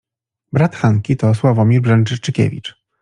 Brat Hanki to Sławomir Brzęczyszczykiewicz.